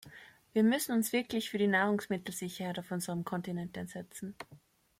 Wir müssen uns wirklich für die Nahrungsmittelsicherheit auf unserem Kontinent einsetzen.